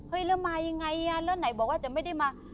แล้วมายังไงอ่ะแล้วไหนบอกว่าจะไม่ได้มา